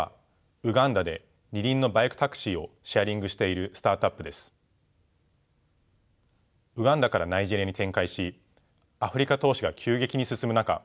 ウガンダからナイジェリアに展開しアフリカ投資が急激に進む中